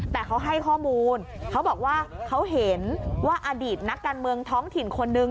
แต่เขาให้ข้อมูลเขาบอกว่าเขาเห็นว่าอดีตนักการเมืองท้องถิ่นคนนึง